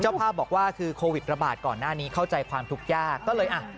ภาพบอกว่าคือโควิดระบาดก่อนหน้านี้เข้าใจความทุกข์ยากก็เลยอ่ะ